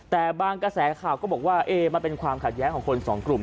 แต่บางกระแสข่าวก็บอกว่ามันเป็นความขัดแย้งของคนสองกลุ่ม